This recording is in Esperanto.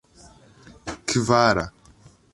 kvara